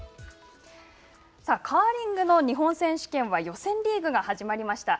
カーリングの日本選手権は予選リーグが始まりました。